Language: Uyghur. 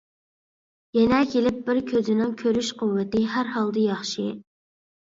يەنە كېلىپ بىر كۆزىنىڭ كۆرۈش قۇۋۋىتى ھەر ھالدا ياخشى.